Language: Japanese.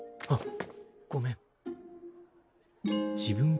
あっ。